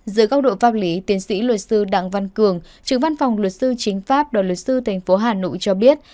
dưới góc độ pháp lý tiến sĩ luật sư đặng văn cường trưởng văn phòng luật sư chính pháp đoàn luật sư tp hà nội cho biết